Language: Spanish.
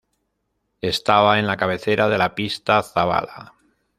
Estaba en la cabecera de la pista Zabala.